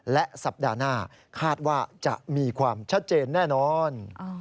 และสัปดาห์หน้าคาดว่าจะมีความชัดเจนแน่นอน